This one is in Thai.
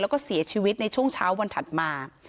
แล้วก็เสียชีวิตในช่วงเช้าวันถัดมา